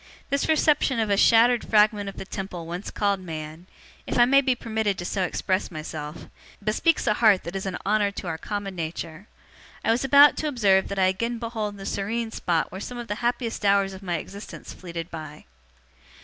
This reception of a shattered fragment of the Temple once called Man if I may be permitted so to express myself bespeaks a heart that is an honour to our common nature. I was about to observe that I again behold the serene spot where some of the happiest hours of my existence fleeted by.